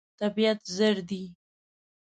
طبیعت زر دی.